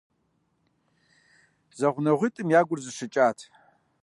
ЗэгъунэгъуитӀым я гур зэщыкӀащ.